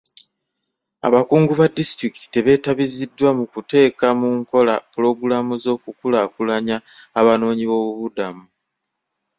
Abakungu ba disitulikiti tebeetabiziddwa mu kuteeka mu nkola pulogulamu z'okukulaakulanya abanoonyiboobubudamu.